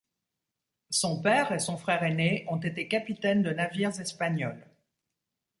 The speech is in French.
Son père et son frère aîné ont été capitaines de navires espagnols.